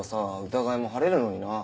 疑いも晴れるのにな。